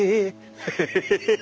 エヘヘヘ！